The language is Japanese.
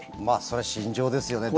それは心情ですよね。